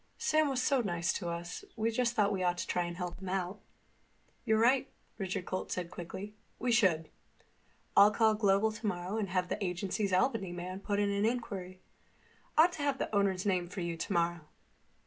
"Sam was so nice to us we just thought we ought to try to help him out." "You're right," Richard Holt said quickly. "We should. I'll call Global and have the agency's Albany man put in an inquiry. Ought to have the owner's name for you tomorrow."